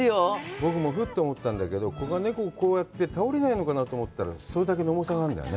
僕もふっと思ったんだけど、猫がこうやって倒れないのかなと思ったら、それだけの重さがあるんだよね。